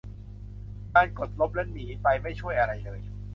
การกดลบและหนีไปไม่ช่วยอะไรเลย